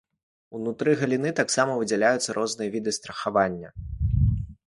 Унутры галіны таксама выдзяляюцца розныя віды страхавання.